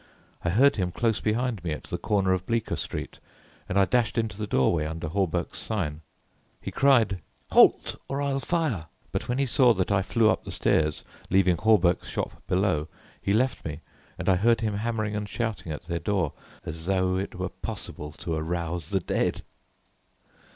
I heard him close behind me at the corner of Bleecker Street, and I dashed into the doorway under Hawberk's sign. He cried, "Halt, or I fire!" but when he saw that I flew up the stairs leaving Hawberk's shop below, he left me, and I heard him hammering and shouting at their door as though it were possible to arouse the dead.